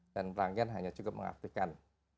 dan pelanggan hanya cukup mengaktifkan